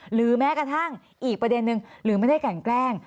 หรือแม้กระทั่งอีกประเด็นนึงหรือไม่ได้กันแกล้ง